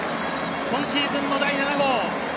今シーズンの第７号。